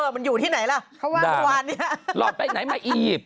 เป็นแบบว่า